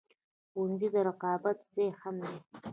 ښوونځی د رقابت ځای هم دی